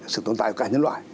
sự tồn tại của cả nhân loại